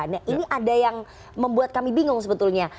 nah ini ada yang membuat kami bingung sebetulnya